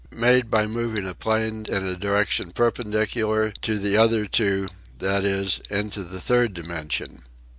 Made by moving a plane in a direction perpendicular to the other two (that is, into the third dimension).